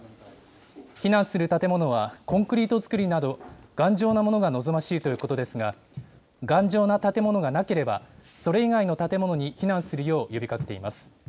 避難する建物は、コンクリート造りなど頑丈なものが望ましいということですが、頑丈な建物がなければ、それ以外の建物に避難するよう呼びかけています。